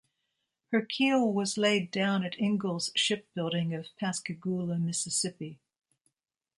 Her keel was laid down at Ingalls Shipbuilding of Pascagoula, Mississippi.